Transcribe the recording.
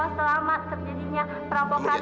selama terjadinya perampokan tersebut